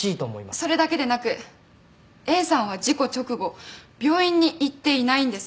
それだけでなくＡさんは事故直後病院に行っていないんです。